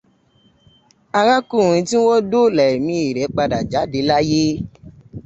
Arákùnrin tí wọ́n dóòlà ẹ̀mí rẹ̀ padà jáde láyé.